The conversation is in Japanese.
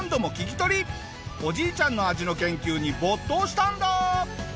おじいちゃんの味の研究に没頭したんだ！